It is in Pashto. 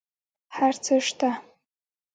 هر څه شته